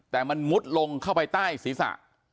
แต่มันมุดลงเข้าไปใต้ศีรษะ